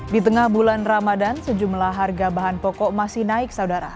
di tengah bulan ramadan sejumlah harga bahan pokok masih naik saudara